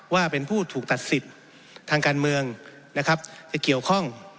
ว่าเป็นผู้ถูกตัดสิทธิ์ทางเมืองเกี่ยวข้อง